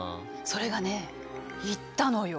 それがねいったのよ。